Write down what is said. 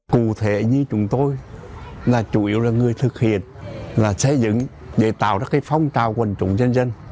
cụ thể chúng tôi là người thực hiện xây dựng để tạo ra phong trào quan trọng dân dân